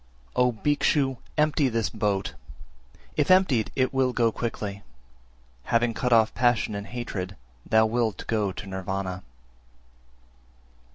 369. O Bhikshu, empty this boat! if emptied, it will go quickly; having cut off passion and hatred thou wilt go to Nirvana.